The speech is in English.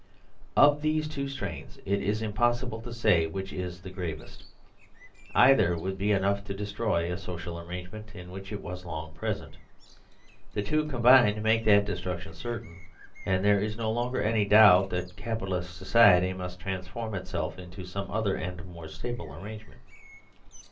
Of these two strains it is impossible to say which is the gravest. Either would be enough to destroy a social arrangement in which it was long present. The two combined make that destruction certain ; and there is no longer any doubt that Capitalist so ciety must transform itself into some other and more stable arrangement.